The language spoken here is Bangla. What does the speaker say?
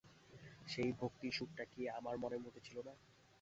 সেই ভক্তির সুরটি কি আমার মনের মধ্যে ছিল না?